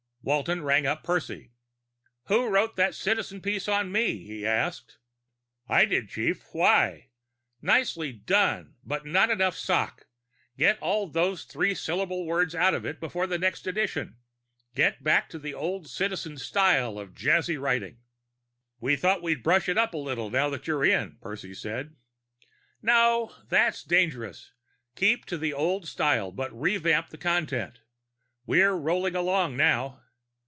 _ Walton rang up Percy. "Who wrote that Citizen piece on me?" he asked. "I did, chief. Why?" "Nicely done, but not enough sock. Get all those three syllable words out of it by the next edition. Get back to the old Citizen style of jazzy writing." "We thought we'd brush it up a little now that you're in," Percy said. "No. That's dangerous. Keep to the old style, but revamp the content. We're rolling along, now.